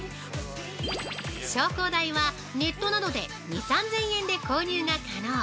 ◆昇降台はネットなどで２３０００円で購入が可能！